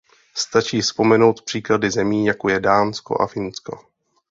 Stačí vzpomenout příklady zemí jako je Dánsko a Finsko.